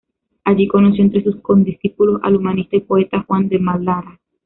Allí conoció entre sus condiscípulos al humanista y poeta Juan de Mal Lara.